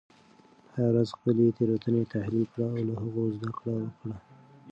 هره ورځ خپلې تیروتنې تحلیل کړه او له هغوی زده کړه وکړه.